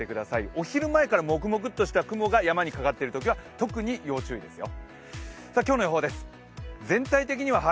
お昼前からもくもくっとした雲が山にかかっているときは、特に要注意ですよ。